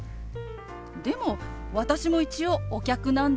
でも私も一応お客なんですけど。